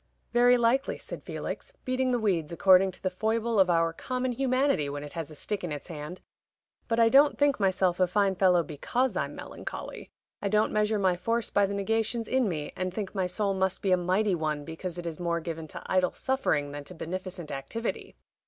"Very likely," said Felix, beating the weeds, according to the foible of our common humanity when it has a stick in its hand. "But I don't think myself a fine fellow because I'm melancholy. I don't measure my force by the negations in me, and think my soul must be a mighty one because it is more given to idle suffering than to beneficent activity.